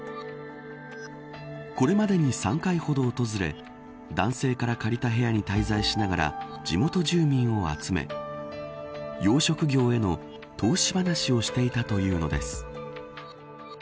これまでに３回ほど訪れ男性から借りた部屋に滞在しながら地元住民などを集め養殖業への投資話をしていたというのです。